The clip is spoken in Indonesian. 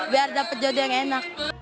biar dapat jodoh yang enak